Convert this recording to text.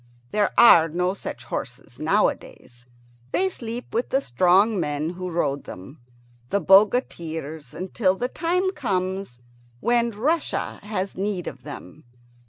There are no such horses nowadays. They sleep with the strong men who rode them, the bogatirs, until the time comes when Russia has need of them.